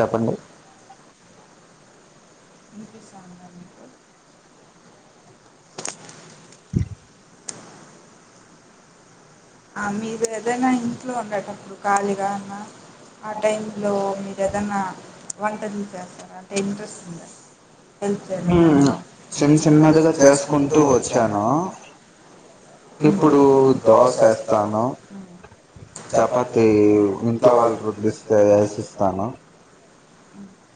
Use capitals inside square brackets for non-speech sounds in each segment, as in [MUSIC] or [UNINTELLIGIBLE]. చెప్పండి వినిపిస్త ఉందా మీకు ఆ మీరు ఏదైనా ఇంట్లో ఉండేటప్పుడు, ఖాళీగా అన్న, ఆ టైమ్ లో మీరు ఏదైనా వంటలు చేస్తారా, అంటే ఇంట్రెస్ట్ ఉందా హెల్ప్ చేయడం. చిన్న చిన్నదిగా చేసుకుంటూ వచ్చాను ఇప్పుడు దోశ యస్త తాను ను చపాతి ఇంట్లో వాళ్ళ రుదిస్తే వేసిస్తాను,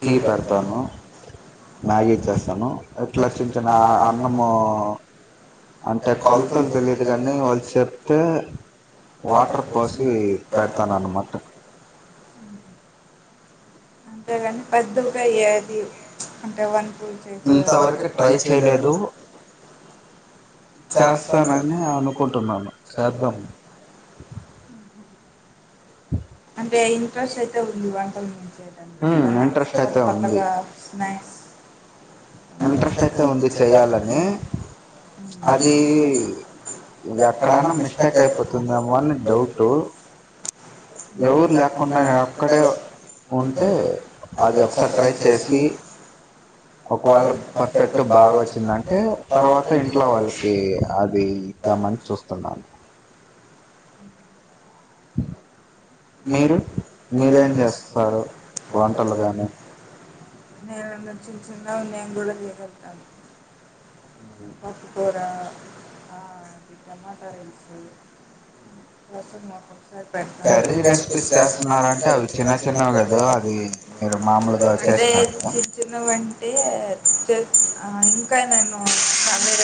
టీ పెడతాను, మ్యాగీ చేస్తాను. ఇట్లా చిన్న చిన్న అన్నము అంటే కొ కొలతలు తెలియదు కాని వాళ్ళు చెప్తే వాటర్ పోసి పెడతాను అన్నమాట. అంతేగాని పెద్దగా అయ్యేది అంటే వన్ ఇంతవరకు ట్రై చేయలేదు చేస్తానని అనుకుంటున్నాను చేద్దాం అంటే ఇంట్రెస్ట్ అయితే ఉంది. వంటలమీ ఏదన్న కొత్త కొత్తగా స్నాక్స్. ఇంట్రెస్ట్ అయితే ఉంది చేయాలని. అది ఎక్కడన్నా మిస్టేక్ అయిపోతుందేమో అని డౌట్. ఎవరు లేకుండా ఒక్కడే ఉంటే అది ఒకసారి ట్రై చేసి. వాళ్ళ పర్ఫెక్ట్ బాగా వచ్చిందంటే తర్వాత, ఇంట్లో వాళ్ళకి, అది ఇద్దామని చూస్తున్నాను. నేను వండను చిన్ చిన్నగ నేను కూడా చేసేస్తాను మాకుపోరా ఆ అది టమాటా రైస్ మష్ అది పెడతా రెసిపీస్ చేస్తున్నారుంటే అది చిన్న చిన్న కద అది మామూలుగా చెస్ ఆ ఇంకాయ నేను ఫ్యామిలీ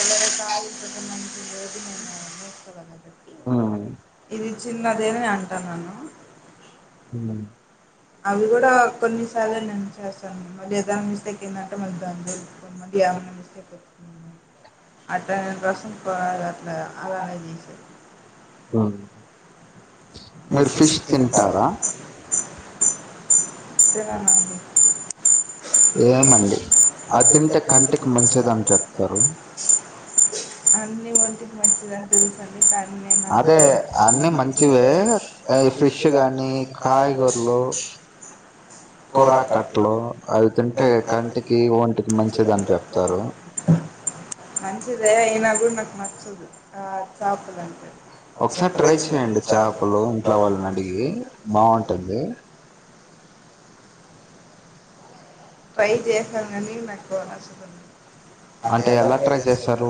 తయి ప్రధమంత్రి నేను ఇది చిన్నదేని అంటాన్నాను. హమ్ అవి కూడా కొన్నిసార్లు నేను చేస్తాను మళ్ళీ ఏదని [UNINTELLIGIBLE] ఎక్కింద [UNINTELLIGIBLE] ద్యం అట్టాంటి డ్రస్ అట్ట అలానే జేసింది మీరు ఫిష్ తింటారా సరే నండి అన్నీ ఒంటికి మంచిదని తెలుసండి కానీ నేను ఫిష్ గానీ కాయగూరలు మంచిదే అయినా చూనాకి నచ్చదు ఆ చేపలంటే ఒకసారి ట్రై చేయండి చేప ళు ఇంట్లో వాళ్ళని అడిగి బాగుంటుంది ట్రై చేసా [UNINTELLIGIBLE] అంటే ఎలా ట్రై చేస్తారు.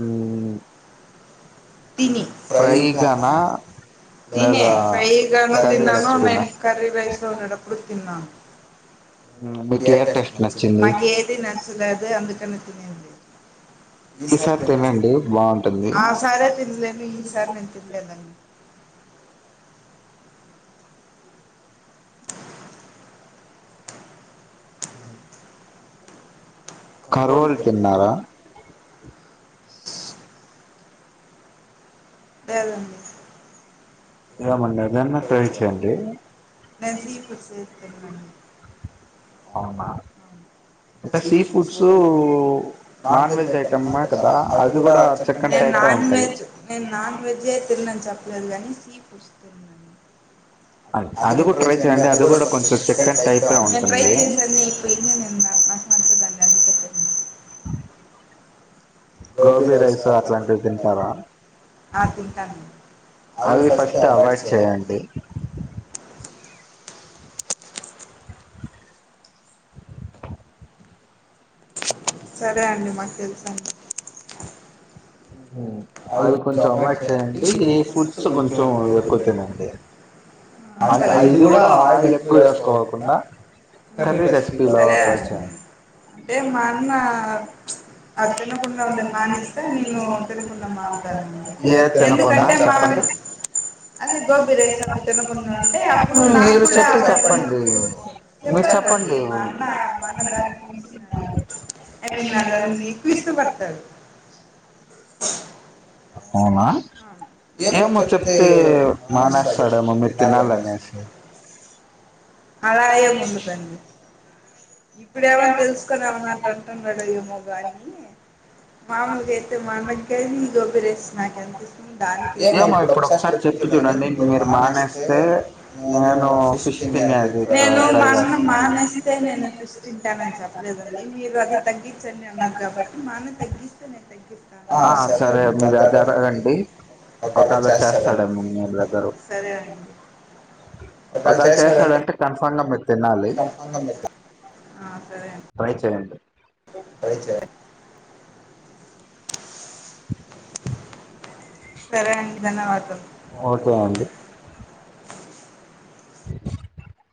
హ్మ్ తిని ఫ్రై కాదా తినే ఫ్రై గాను తిందాము. నేను కర్రీ రైస్ వండేటప్పుడు తిన్నా మాకి ఏది నచ్చలేదు అందుకనే హ్మ్ ఈసారి తినండి బావుంటుంది. [UNINTELLIGIBLE] ఈ సారి నేను తినలేదండి అవు కరవల్ తిన్నారా లేేదండి నేను సీ ఫుడ్స్ ఏం తిననండి. నేను నాన్ వెజ్ నేను నాన్ వెజ్జే తిననని చెప్పలేదు కానీ పస్తర్మని అది కూడా ట్రై చేయండి అది కూడా కొంచెం [UNINTELLIGIBLE] ఆ తింటాను సరే అండి మాకు తెలుసండి అది అవాయిడ్ చేయండి ఇది పులుసు కొంచెం ఎక్కువ తినండి ఆ అంటే ఇది కూడా ఆయిల్ ఎక్కువ వేసుకోకుండా కర్రీ బెష్టిలాగా సరే అండి అంటే మా అన్న ఆ తినకుండా ఉండి మానేస్తే నేను తినకుండా మానుతాడని లేదు తినకుండాఎందుకంటే మా అన్న అదే గోబీ రైస్ అవి తినకుండా ఉంటే అప్పుడు నాకు కూడ మీరు చెప్పేది తప్పండిమీరు చెప్పండి మా అన్న మా అన్న దాన్ని గురించిఐ మీన్ అ దాన్ని ఎక్కువ ఇష్టపడతాడు, అవునా ఏమో చెప్తే మానేస్తాడేమో మీరు తినాలనేసి అలా ఏం ఉండదండి ఇప్పుడే ఎమో తెలుసుకని ఆ మాట అంటున్నాడు ఏమో కాని మామూలుగా అయితే మా అన్న ఇంకేమి సురేష్ నాకు ఎంత ఇస్తూ దానికి ఏమో ఇప్పుడు ఒకసారి చెప్పి చూడండి మీరు మానేస్తే నేను ఫిష్ తినను నేను మా అన్న మానేస్తే నేను ఫిష్ తింటాను అని చెప్పలేదండి మీరు అది తగ్గించండి అన్నారు కాబట్టి మా అన్న తగ్గిస్తే నేను తగ్గి ఆ సరే మీరు అది అడగండి ఒకవేళ చేస్తాడేమో మీ బ్రదర్ ఒకేళ చేస్తాడ కన్ఫామ్ గా మీరు తినాలి ట్రై చేయండి ట్రై చే సరే అండి ధన్యవాదాలు